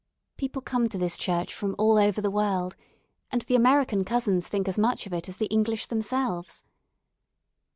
People come to this church from all over the world, and the American cousins think as much of it as the English themselves.